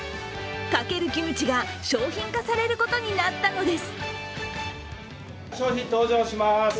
×キムチが商品化されることになったのです。